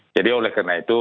jadi oleh karena itu